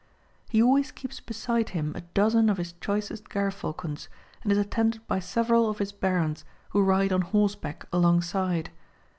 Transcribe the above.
He always keeps beside him a dozen of his choicest gerfalcons, and is attended by several of his Barons, who ride on horseback alongside.